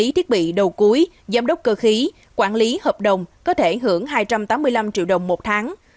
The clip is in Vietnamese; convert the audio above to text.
thầu cuối giám đốc cơ khí quản lý hợp đồng có thể hưởng hai trăm tám mươi năm triệu đồng một tháng